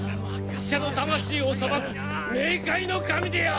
死者の魂を裁く冥界の神である！